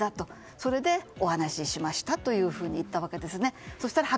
それでお話ししましたと言ったわけですね。